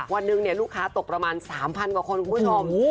วันหนึ่งลูกค้าตกประมาณ๓๐๐กว่าคนคุณผู้ชม